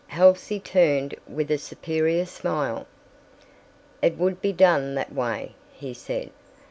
Halsey turned with a superior smile. "It wouldn't be done that way," he said.